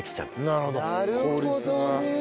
なるほどね。